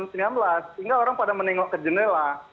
sehingga orang pada menengok ke jendela